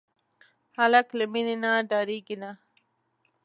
هلک له مینې نه ډاریږي نه.